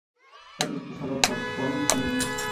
Fue traspasado a Phoenix Suns.